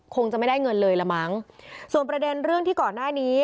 คงจะไม่ได้เงินเลยละมั้งส่วนประเด็นเรื่องที่ก่อนหน้านี้